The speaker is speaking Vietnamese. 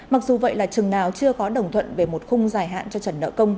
mặc dù vậy là chừng nào chưa có đồng thuận về một khung dài hạn cho trần nợ công